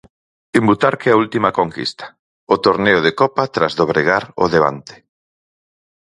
En Butarque a última conquista, o torneo de copa tras dobregar o Levante.